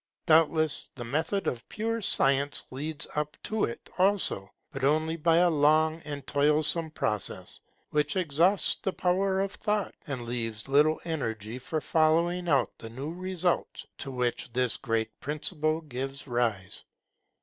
Doubtless, the method of pure science leads up to it also; but only by a long and toilsome process, which exhausts the power of thought, and leaves little energy for following out the new results to which this great principle gives rise.